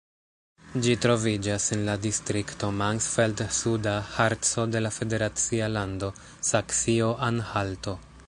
Ĝi troviĝas en la distrikto Mansfeld-Suda Harco de la federacia lando Saksio-Anhalto.